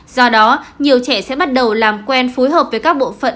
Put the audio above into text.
do đó nhiều trẻ sẽ bắt đầu làm quen phối hợp với các bộ phận